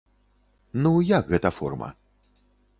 Ну як гэта форма?